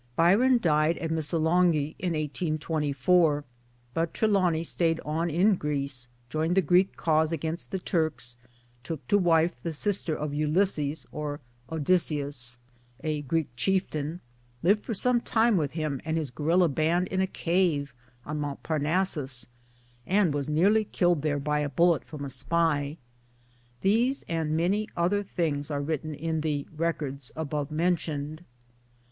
Byron died at Missolonghi in 1824 ; but Trelawny stayed on hi Greece, joined the Greek cause against the Turks, took to wife the sister of Ulysses, or Odysseus, a Greek chieftain, lived for some time with him and his guerilla band in a cave on Mount Parnassus,, and was nearly killed there by a bullet from a spy. These and many other things are written in the Records above mentioned.